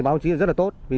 báo chí rất tốt